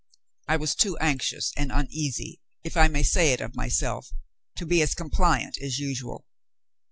I was too anxious and uneasy (if I may say it of myself) to be as compliant as usual.